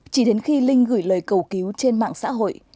chỉ đến khi linh gửi lời cầu cứu trên mạng xã hội